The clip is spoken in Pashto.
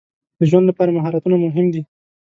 د ژوند لپاره مهارتونه مهم دي.